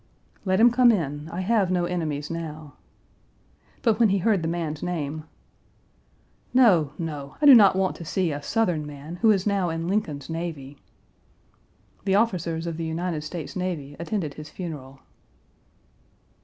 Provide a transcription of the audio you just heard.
"Let him come in; I have no enemies now." But when he heard the man's name: "No, no. I do not want to see a Southern man who is now in Lincoln's navy." The officers of the United States Navy attended his funeral.